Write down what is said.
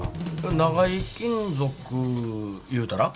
長井金属いうたら。